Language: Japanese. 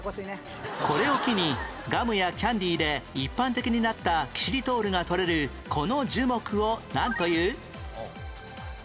これを機にガムやキャンディーで一般的になったキシリトールがとれるこの樹木をなんという？